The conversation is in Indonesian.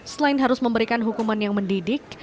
selain harus memberikan hukuman yang mendidik